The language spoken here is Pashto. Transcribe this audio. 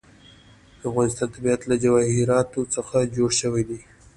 د افغانستان طبیعت له جواهرات څخه جوړ شوی دی.